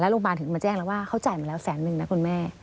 โรงพยาบาลถึงมาแจ้งแล้วว่าเขาจ่ายมาแล้วแสนนึงนะคุณแม่